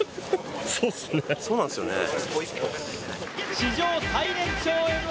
史上最年長「Ｍ−１」